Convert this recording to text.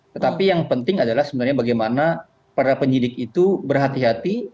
tetapi yang penting adalah sebenarnya bagaimana para penyidik itu berhati hati